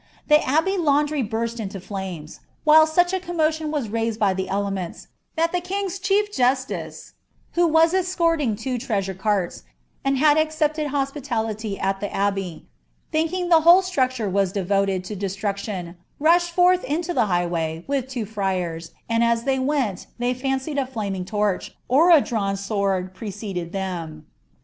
The abbey laundrey burst into flames ; while such a commo tion was raised by the elements, that the king's chief justice, (who was escorting two treasure carts, and had accepted hospitality at the abbey,) thinking the whole structure was devoted to destruction, rushed forth into the highway, with two friars, and as they went, they fancied a flaming torch, or a drawn sword, preceded them.'